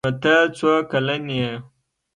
_نوته څو کلن يې؟